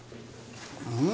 うん？